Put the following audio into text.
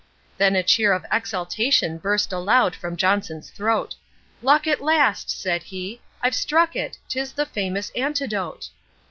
Then a cheer of exultation burst aloud from Johnson's throat; 'Luck at last,' said he, 'I've struck it! 'tis the famous antidote.'